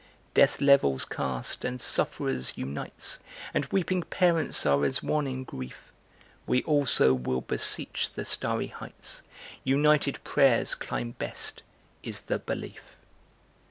Death levels caste and sufferers unites, And weeping parents are as one in grief; We also will beseech the starry heights, United prayers climb best, is the belief.